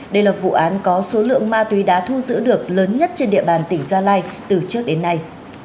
đây là vụ án có số lượng ma túy đã thu giữ được lớn nhất trên địa bàn tỉnh gia lai từ trước đến nay